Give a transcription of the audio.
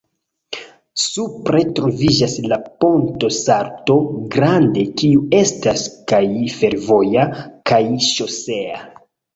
Supre troviĝas la Ponto Salto Grande, kiu estas kaj fervoja kaj ŝosea.